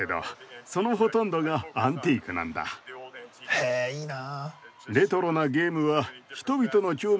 へえいいな。